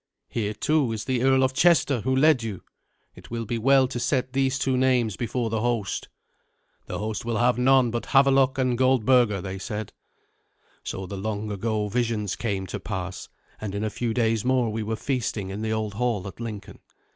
Here, too, is the Earl of Chester, who led you. It will be well to set these two names before the host." "The host will have none but Havelok and Goldberga," they said. So the long ago visions came to pass, and in a few days more we were feasting in the old hall at Lincoln.